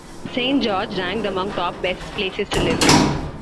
Saint George ranked among top best places to live.